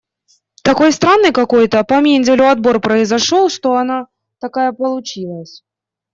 Такой странный какой-то по Менделю отбор произошёл, что она такая получилась.